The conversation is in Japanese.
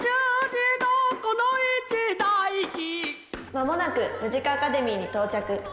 「間もなくムジカ・アカデミーに到着」。